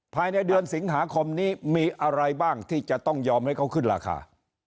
ภายในเดือนสิงหาคมนี้มีอะไรบ้างที่จะต้องยอมให้เขาขึ้นราคา